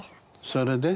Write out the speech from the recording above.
それで？